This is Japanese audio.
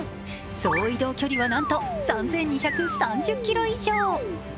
総移動距離は、なんと３２３０ｋｍ以上。